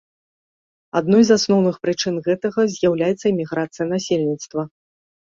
Адной з асноўных прычын гэтага з'яўляецца эміграцыя насельніцтва.